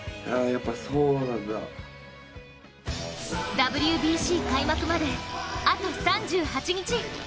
ＷＢＣ開幕まであと３８日。